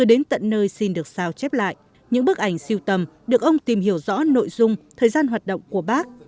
để bác có thể tìm hiểu rõ nội dung thời gian hoạt động của bác